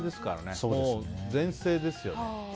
全盛ですよね。